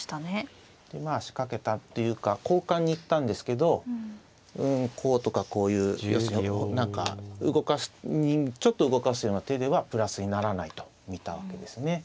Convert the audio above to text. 仕掛けたというか交換に行ったんですけどこうとかこういう要するに何かちょっと動かすような手ではプラスにならないと見たわけですね。